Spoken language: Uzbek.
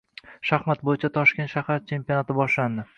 Shaxmat bo‘yicha toshkent shahar chempionati boshlandi